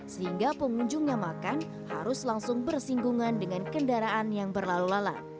sehingga pengunjung yang makan harus langsung bersinggungan dengan kendaraan yang berlalu lalat